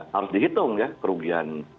harus dihitung ya kerugian